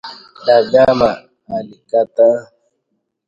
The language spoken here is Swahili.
Dagama alikataa